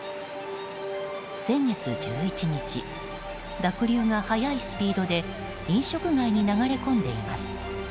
先月１１日濁流が速いスピードで飲食街に流れ込んでいます。